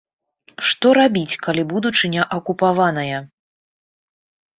Што рабіць, калі будучыня акупаваная?